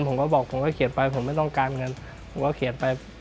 ผมก็เขียนไปไม่ต้องการเงิน